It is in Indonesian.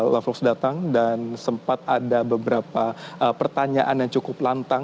lavax datang dan sempat ada beberapa pertanyaan yang cukup lantang